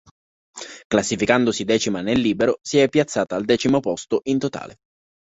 Classificandosi decima nel libero, si è piazzata al decimo posto in totale.